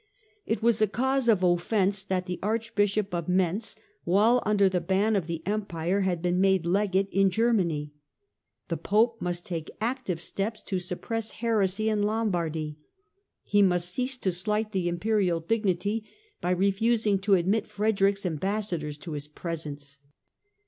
It was a cause of offence that the Arch bishop of Mentz, while under the ban of the Empire, had been made Legate in Germany. The Pope must take active steps to suppress heresy in Lombardy. He must cease to slight the Imperial dignity by refusing to admit Frederick's ambassadors to his presence.